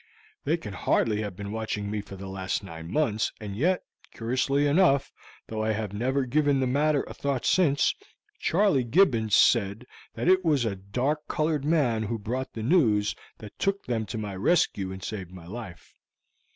They can hardly have been watching me for the last nine months, and yet, curiously enough, though I have never given the matter a thought since, Charley Gibbons said that it was a dark colored man who brought the news that took them to my rescue and saved my life.